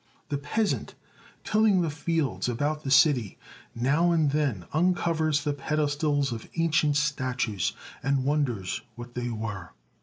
The peasant, tilling the fields about the city, now and then uncovers the pedestals of ancient statues, and wonders what they were.